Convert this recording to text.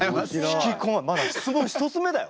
引き込ままだ質問１つ目だよ？